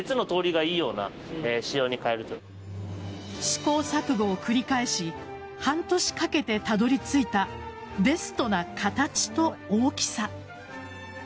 試行錯誤を繰り返し半年かけてたどり着いたベストな形と大きさ。